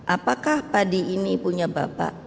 apakah padi ini punya bapak